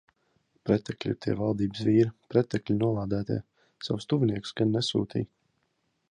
Pretekļi ir tie valdības vīri, pretekļi nolādētie. Savus tuviniekus gan nesūtīja.